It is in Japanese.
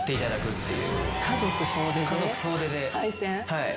はい。